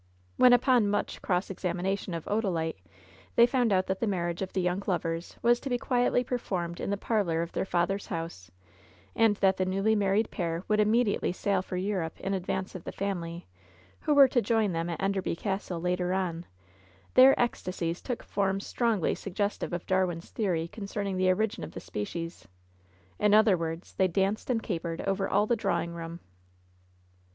When, upon much cross examination of Odalite, they found out that the marriage of the young lovers was to be quietly performed in the parlor of their father's house, and that the newly married pair would imme diately sail for Europe in advance of the family, who were to join them at Enderby Castle later on, their ecstasies took forms strongly suggestive of Darwin's theory concerning the origin of the species. In other words, they danced and capered all over the drawing room.